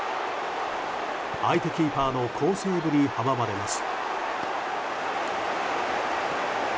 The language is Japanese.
相手キーパーの好セーブに阻まれます。